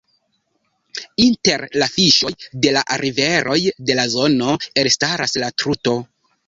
Inter la fiŝoj de la riveroj de la zono elstaras la Truto.